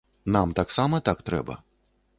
Нам таксама так трэба.